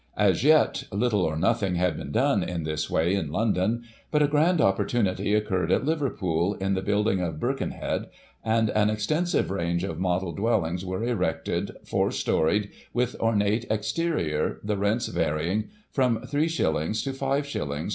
As yet, little or nothing had been done, in this way, in London, but a grand opportunity occurred at Liverpool, in the building of Birkenhead, and an extensive range of model dwellings were erected, four storied, with ornate exterior, the rents varying from 3 s. to 5 s.